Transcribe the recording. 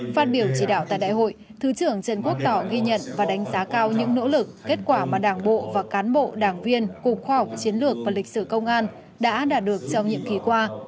phát biểu chỉ đạo tại đại hội thứ trưởng trần quốc tỏ ghi nhận và đánh giá cao những nỗ lực kết quả mà đảng bộ và cán bộ đảng viên cục khoa học chiến lược và lịch sử công an đã đạt được trong nhiệm ký qua